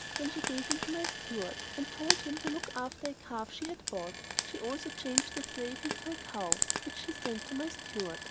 Then she gave him to my steward, and told him to look after a calf she had bought. She also changed the slave into a cow, which she sent to my steward.